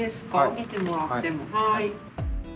見てもらってもはい。